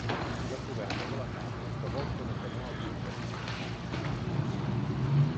La coberta de la nau és de volta de canó apuntada.